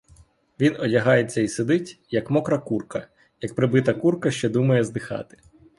Він одягається й сидить, як мокра курка, як прибита курка, що думає здихати.